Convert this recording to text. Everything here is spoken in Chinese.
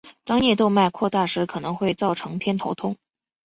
当颞动脉扩大时可能会造成偏头痛。